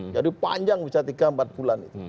jadi panjang bisa tiga empat bulan